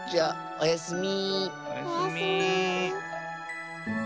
おやすみ。